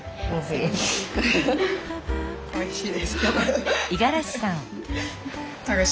おいしい。